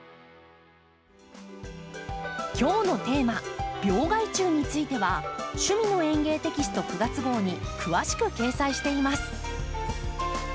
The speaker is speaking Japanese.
今日のテーマ「病害虫」については「趣味の園芸」テキスト９月号に詳しく掲載しています。